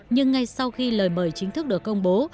nhưng ngay sau khi lời mời chính thức được công bố